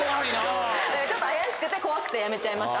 ちょっと怪しくて怖くてやめちゃいました